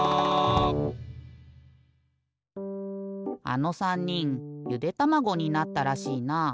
あの３にんゆでたまごになったらしいな。